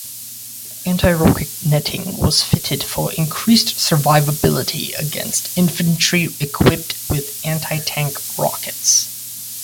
Anti-rocket netting was fitted for increased survivability against infantry equipped with anti-tank rockets.